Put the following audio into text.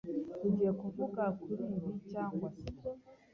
Tugiye kuvuga kuri ibi cyangwa sibyo?